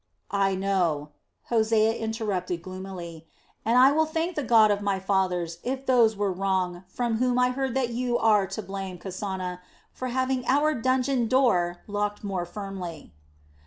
"I know it," Hosea interrupted gloomily, "and I will thank the God of my fathers if those were wrong from whom I heard that you are to blame, Kasana, for having our dungeon door locked more firmly."